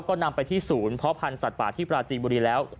ก็นำไปที่ศูนย์เพาะพันธ์สัตว์ป่าที่ปราจีนบุรีแล้ว